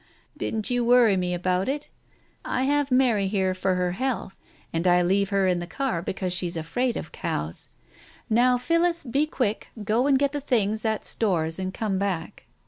Didn't you worry me about it ? I have Mary here for her health, and I leave her in the car because she's afraid of cows. Now, Phillis, be quick, go and get the things at Storr's, and come back.